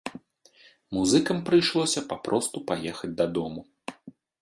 Музыкам прыйшлося папросту паехаць дадому.